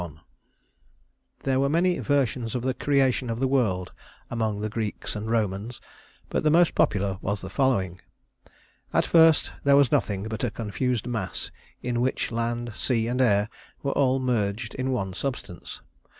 XXXI There were many versions of the creation of the world among the Greeks and Romans, but the most popular was the following: At first there was nothing but a confused mass in which land, sea, and air were all merged in one substance.